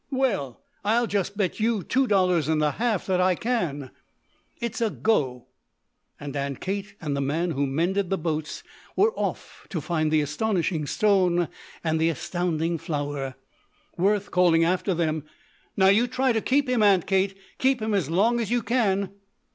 "Well I'll just bet you two dollars and a half that I can!" "It's a go!" and Aunt Kate and the man who mended the boats were off to find the astonishing stone and the astounding flower, Worth calling after them: "Now you try to keep him, Aunt Kate. Keep him as long as you can."